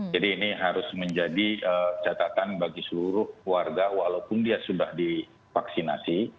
jadi ini harus menjadi catatan bagi seluruh warga walaupun dia sudah divaksinasi